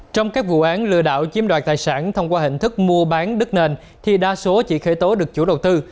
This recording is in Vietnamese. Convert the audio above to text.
trong các vụ án lừa đảo chiếm đoạt tài sản thông qua hình thức mua bán đất nền thì đa số chỉ khởi tố được chủ đầu tư